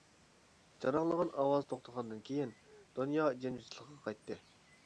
جاراڭلىغان ئاۋاز توختىغاندىن كېيىن، دۇنيا جىمجىتلىقىغا قايتتى.